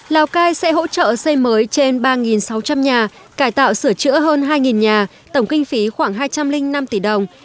lào cai sẽ hỗ trợ xây mới trên ba sáu trăm linh nhà cải tạo sửa chữa hơn hai nhà tổng kinh phí khoảng hai trăm linh năm tỷ đồng